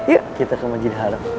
yuk kita ke masjid haram